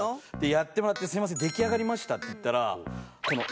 やってもらって「すいません出来上がりました」って言ったら。